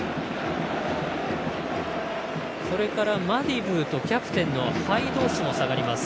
それからマディブーとキャプテンのハイドースも下がります。